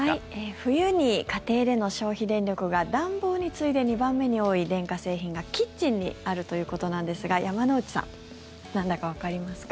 冬に家庭での消費電力が暖房に次いで２番目に多い電化製品がキッチンにあるということなんですが山之内さんなんだかわかりますか。